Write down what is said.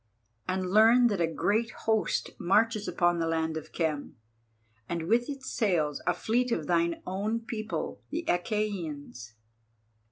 And learn that a great host marches upon the land of Khem, and with it sails a fleet of thine own people, the Achæans.